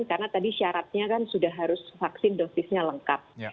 karena tadi syaratnya kan sudah harus vaksin dosisnya lengkap